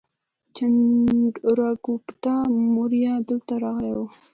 چندراګوپتا موریه دلته راغلی و